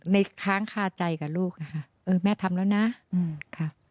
ในค้างค่าใจกับลูกนะฮะเออแม่ทำแล้วนะอืมครับ